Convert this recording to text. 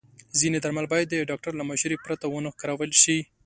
ځینې درمل باید د ډاکټر له مشورې پرته ونه کارول شي.